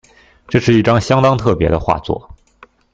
這是一張相當特別的畫作